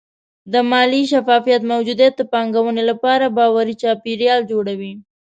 د مالي شفافیت موجودیت د پانګونې لپاره باوري چاپېریال جوړوي.